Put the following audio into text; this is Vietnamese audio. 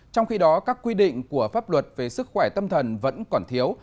trong khi đó các quy định của pháp luật về sức khỏe tâm thần vẫn còn thiếu